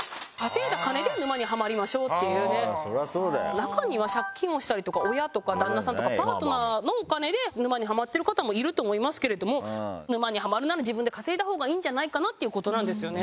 中には借金をしたりとか親とか旦那さんとかパートナーのお金で沼にハマってる方もいると思いますけれども沼にハマるなら自分で稼いだ方がいいんじゃないかなっていう事なんですよね。